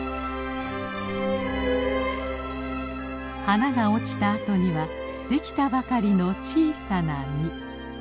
花が落ちたあとにはできたばかりの小さな実。